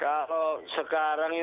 kalau sekarang ini